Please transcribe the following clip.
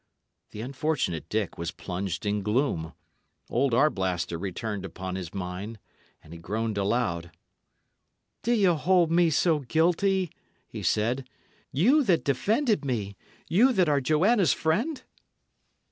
The unfortunate Dick was plunged in gloom. Old Arblaster returned upon his mind, and he groaned aloud. "Do ye hold me so guilty?" he said; "you that defended me you that are Joanna's friend?"